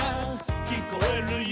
「きこえるよ」